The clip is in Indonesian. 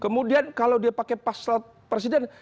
kemudian kalau dia pakai pasal presiden